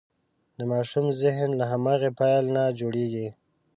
د ماشوم ذهن له هماغې پیل نه جوړېږي.